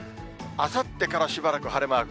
あさってからしばらく晴れマーク。